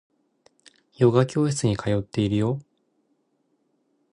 ヨガ教室に通っているよ